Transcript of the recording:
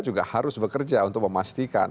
juga harus bekerja untuk memastikan